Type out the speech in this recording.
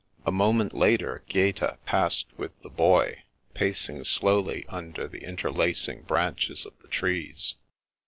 A moment later Gaeta passed with the Boy, pacing slowly under the interlacing branches of the trees.